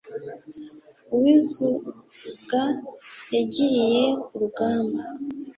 uwivuga yagiriye ku rugamba